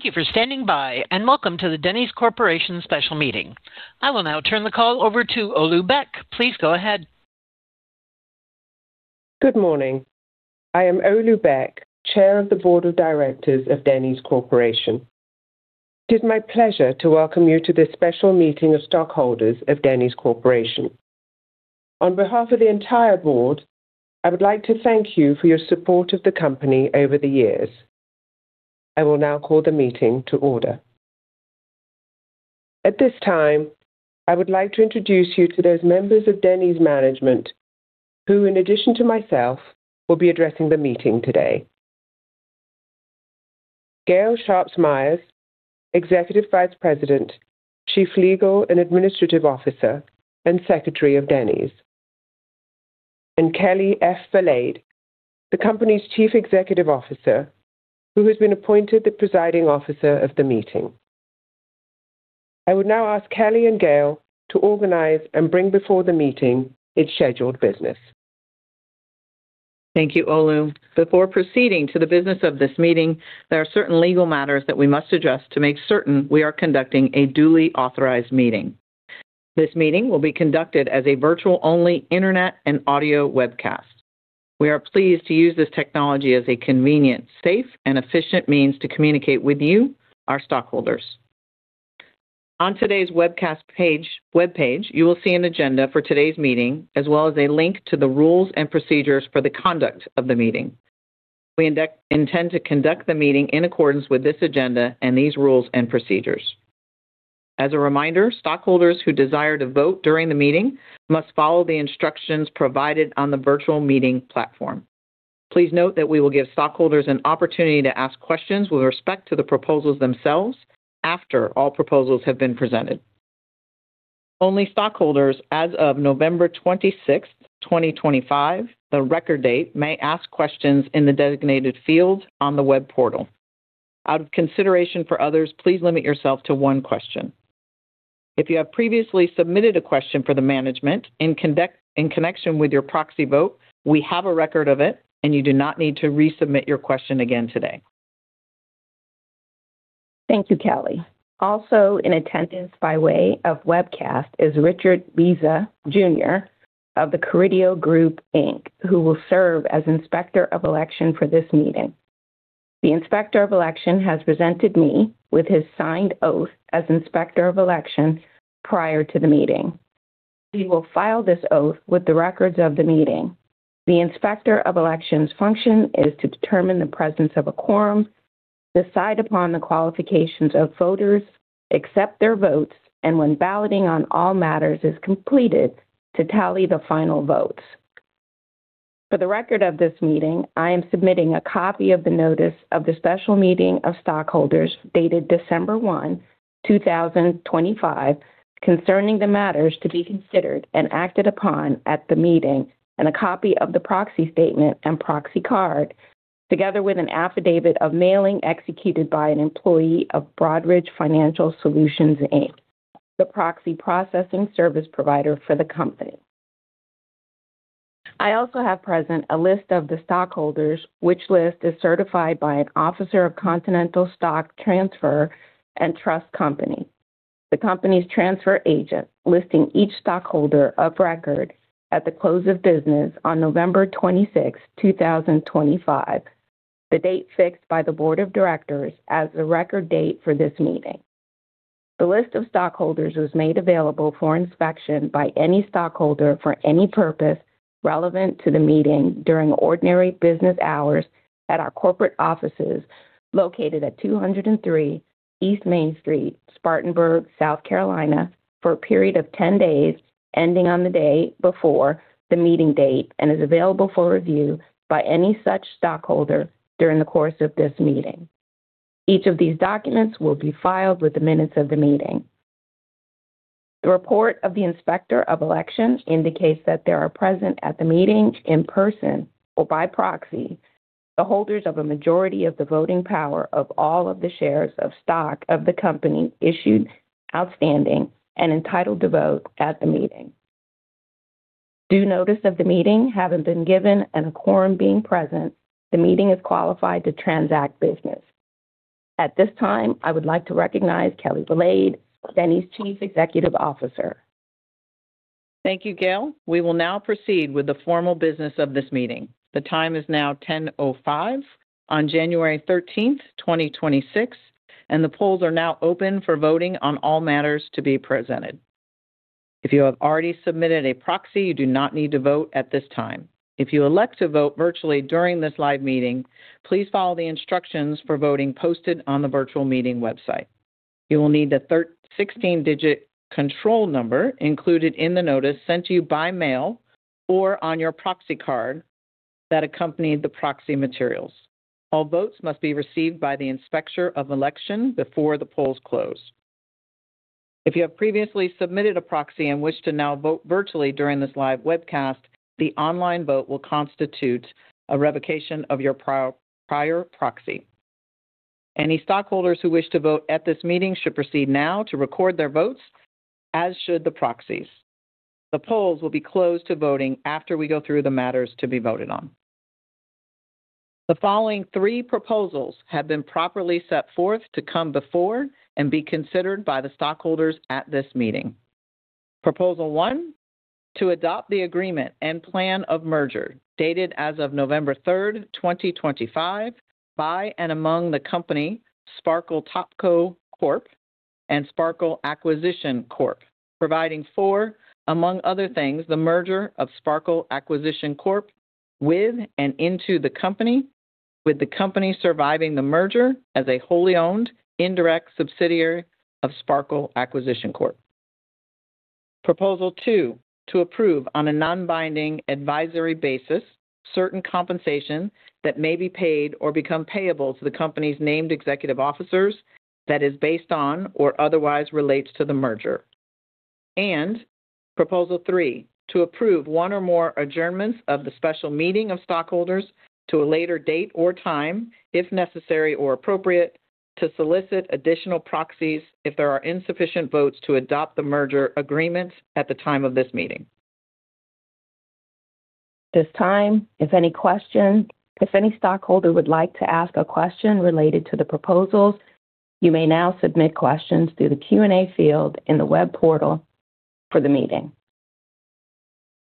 Thank you for standing by, and welcome to the Denny's Corporation special meeting. I will now turn the call over to Olu Beck. Please go ahead. Good morning. I am Olu Beck, Chair of the Board of Directors of Denny's Corporation. It is my pleasure to welcome you to this special meeting of stockholders of Denny's Corporation. On behalf of the entire board, I would like to thank you for your support of the company over the years. I will now call the meeting to order. At this time, I would like to introduce you to those members of Denny's management who, in addition to myself, will be addressing the meeting today: Gail Sharps Myers, Executive Vice President, Chief Legal and Administrative Officer, and Secretary of Denny's, and Kelli F. Valade, the company's Chief Executive Officer, who has been appointed the Presiding Officer of the meeting. I would now ask Kelli and Gail to organize and bring before the meeting its scheduled business. Thank you, Olu. Before proceeding to the business of this meeting, there are certain legal matters that we must address to make certain we are conducting a duly authorized meeting. This meeting will be conducted as a virtual-only internet and audio webcast. We are pleased to use this technology as a convenient, safe, and efficient means to communicate with you, our stockholders. On today's webcast webpage, you will see an agenda for today's meeting, as well as a link to the rules and procedures for the conduct of the meeting. We intend to conduct the meeting in accordance with this agenda and these rules and procedures. As a reminder, stockholders who desire to vote during the meeting must follow the instructions provided on the virtual meeting platform. Please note that we will give stockholders an opportunity to ask questions with respect to the proposals themselves after all proposals have been presented. Only stockholders, as of November 26th, 2025, the record date, may ask questions in the designated field on the web portal. Out of consideration for others, please limit yourself to one question. If you have previously submitted a question for the management in connection with your proxy vote, we have a record of it, and you do not need to resubmit your question again today. Thank you, Kelli. Also in attendance by way of webcast is Richard Leza Jr. of the Carideo Group Inc, who will serve as Inspector of Election for this meeting. The Inspector of Election has presented me with his signed oath as Inspector of Election prior to the meeting. He will file this oath with the records of the meeting. The Inspector of Election's function is to determine the presence of a quorum, decide upon the qualifications of voters, accept their votes, and when balloting on all matters is completed, to tally the final votes. For the record of this meeting, I am submitting a copy of the notice of the special meeting of stockholders dated December 1, 2025, concerning the matters to be considered and acted upon at the meeting, and a copy of the proxy statement and proxy card, together with an affidavit of mailing executed by an employee of Broadridge Financial Solutions, Inc, the proxy processing service provider for the company. I also have present a list of the stockholders, which list is certified by an officer of Continental Stock Transfer and Trust Company, the company's transfer agent, listing each stockholder of record at the close of business on November 26, 2025, the date fixed by the Board of Directors as the record date for this meeting. The list of stockholders was made available for inspection by any stockholder for any purpose relevant to the meeting during ordinary business hours at our corporate offices located at 203 East Main Street, Spartanburg, South Carolina, for a period of 10 days ending on the day before the meeting date and is available for review by any such stockholder during the course of this meeting. Each of these documents will be filed with the minutes of the meeting. The report of the Inspector of Election indicates that there are present at the meeting in person or by proxy the holders of a majority of the voting power of all of the shares of stock of the company issued, outstanding, and entitled to vote at the meeting. Due notice of the meeting having been given and a quorum being present, the meeting is qualified to transact business. At this time, I would like to recognize Kelli Valade, Denny's Chief Executive Officer. Thank you, Gail. We will now proceed with the formal business of this meeting. The time is now 10:05 A.M. on January 13th, 2026, and the polls are now open for voting on all matters to be presented. If you have already submitted a proxy, you do not need to vote at this time. If you elect to vote virtually during this live meeting, please follow the instructions for voting posted on the virtual meeting website. You will need the 16-digit control number included in the notice sent to you by mail or on your proxy card that accompanied the proxy materials. All votes must be received by the Inspector of Election before the polls close. If you have previously submitted a proxy and wish to now vote virtually during this live webcast, the online vote will constitute a revocation of your prior proxy. Any stockholders who wish to vote at this meeting should proceed now to record their votes, as should the proxies. The polls will be closed to voting after we go through the matters to be voted on. The following three proposals have been properly set forth to come before and be considered by the stockholders at this meeting. Proposal 1: To adopt the Agreement and Plan of Merger dated as of November 3rd, 2025, by and among the company Sparkle Topco Corp and Sparkle Acquisition Corp, providing for, among other things, the merger of Sparkle Acquisition Corp with and into the company, with the company surviving the merger as a wholly owned indirect subsidiary of Sparkle Acquisition Corp. Proposal 2: To approve on a non-binding advisory basis certain compensation that may be paid or become payable to the company's named executive officers that is based on or otherwise relates to the merger, and Proposal 3: To approve one or more adjournments of the special meeting of stockholders to a later date or time, if necessary or appropriate, to solicit additional proxies if there are insufficient votes to adopt the merger agreement at the time of this meeting. At this time, if any stockholder would like to ask a question related to the proposals, you may now submit questions through the Q&A field in the web portal for the meeting.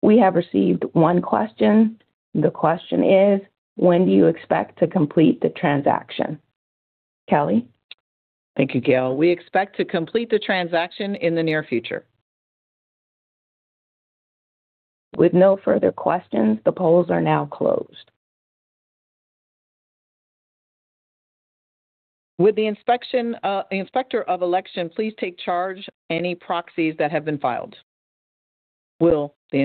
We have received one question. The question is, when do you expect to complete the transaction? Kelli? Thank you, Gail. We expect to complete the transaction in the near future. With no further questions, the polls are now closed. Will the Inspector of Election please take charge of any proxies that have been filed. Will the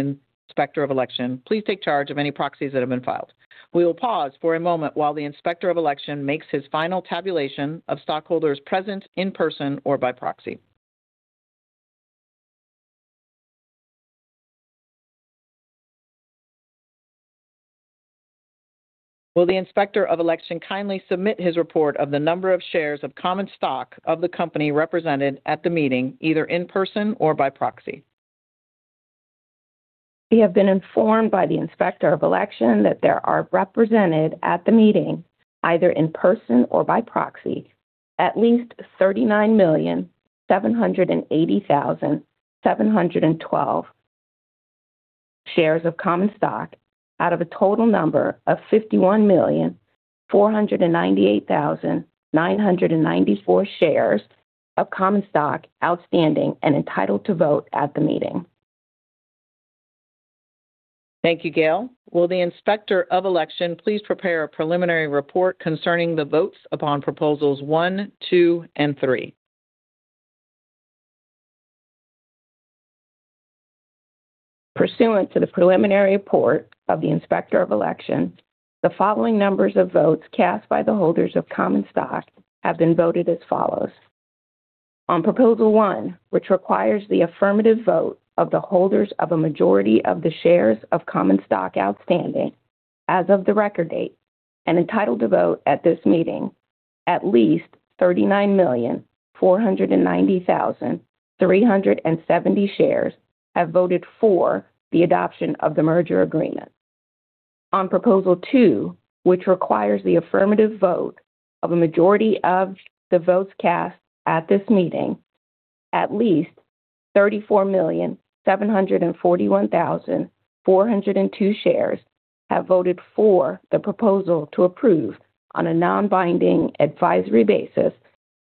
Inspector of Election please take charge of any proxies that have been filed. We will pause for a moment while the Inspector of Election makes his final tabulation of stockholders present in person or by proxy. Will the Inspector of Election kindly submit his report of the number of shares of common stock of the company represented at the meeting, either in person or by proxy? We have been informed by the Inspector of Election that there are represented at the meeting, either in person or by proxy, at least 39,780,712 shares of common stock out of a total number of 51,498,994 shares of common stock outstanding and entitled to vote at the meeting. Thank you, Gail. Will the Inspector of Election please prepare a preliminary report concerning the votes upon proposals one, two, and three? Pursuant to the preliminary report of the Inspector of Election, the following numbers of votes cast by the holders of common stock have been voted as follows. On Proposal 1, which requires the affirmative vote of the holders of a majority of the shares of common stock outstanding as of the record date and entitled to vote at this meeting, at least 39,490,370 shares have voted for the adoption of the merger agreement. On Proposal 2, which requires the affirmative vote of a majority of the votes cast at this meeting, at least 34,741,402 shares have voted for the proposal to approve on a non-binding advisory basis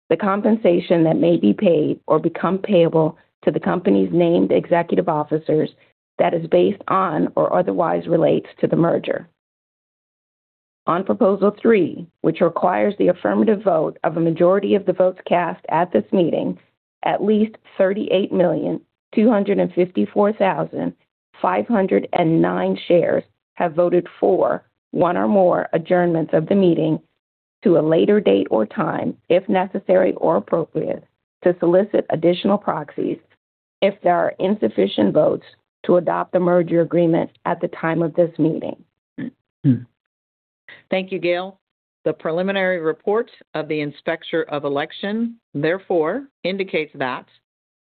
the compensation that may be paid or become payable to the company's named executive officers that is based on or otherwise relates to the merger. On Proposal 3, which requires the affirmative vote of a majority of the votes cast at this meeting, at least 38,254,509 shares have voted for one or more adjournments of the meeting to a later date or time, if necessary or appropriate, to solicit additional proxies if there are insufficient votes to adopt the merger agreement at the time of this meeting. Thank you, Gail. The preliminary report of the Inspector of Election, therefore, indicates that: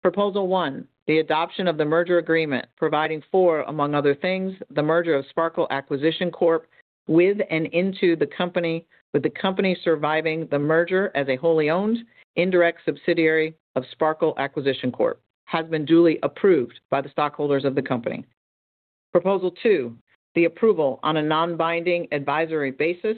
Proposal 1, the adoption of the merger agreement providing for, among other things, the merger of Sparkle Acquisition Corp with and into the company with the company surviving the merger as a wholly owned indirect subsidiary of Sparkle Acquisition Corp has been duly approved by the stockholders of the company. Proposal 2, the approval on a non-binding advisory basis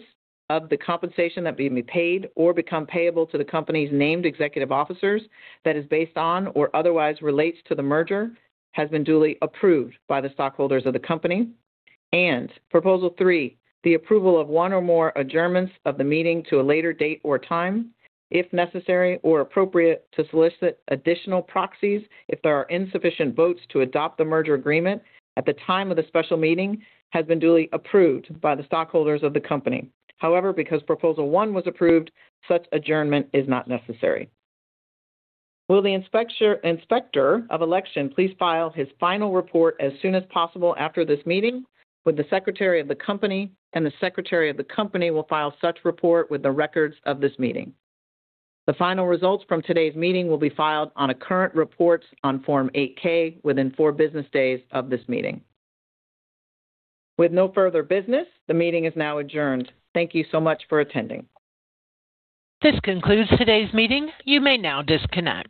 of the compensation that may be paid or become payable to the company's named executive officers that is based on or otherwise relates to the merger has been duly approved by the stockholders of the company. And Proposal 3, the approval of one or more adjournments of the meeting to a later date or time, if necessary or appropriate, to solicit additional proxies if there are insufficient votes to adopt the merger agreement at the time of the special meeting has been duly approved by the stockholders of the company. However, because Proposal 1 was approved, such adjournment is not necessary. Will the Inspector of Election please file his final report as soon as possible after this meeting with the Secretary of the Company, and the Secretary of the Company will file such report with the records of this meeting. The final results from today's meeting will be filed on a current report on Form 8-K within four business days of this meeting. With no further business, the meeting is now adjourned. Thank you so much for attending. This concludes today's meeting. You may now disconnect.